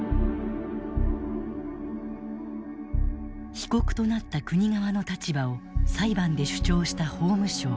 被告となった国側の立場を裁判で主張した法務省。